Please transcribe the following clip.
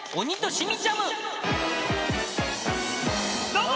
どうも！